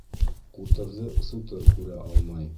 Ҡутырҙы сутыр күрә алмай.